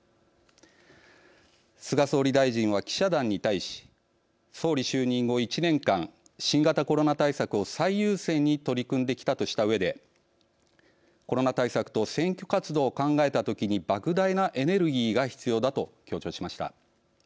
菅総理大臣は記者団に対し総理就任後１年間新型コロナ対策を最優先に取り組んできたとしたうえで「コロナ対策と選挙活動を考えたときにばく大なエネルギーが必要だ」と強調しました。